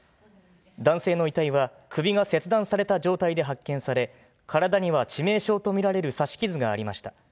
男性の遺体は、首が切断された状態で発見され、体には致命傷と見られる刺し傷がありました。